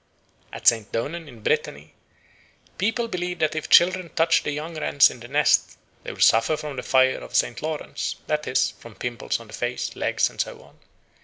At Saint Donan, in Brittany, people believe that if children touch the young wrens in the nest, they will suffer from the fire of St. Lawrence, that is, from pimples on the face, legs, and so on.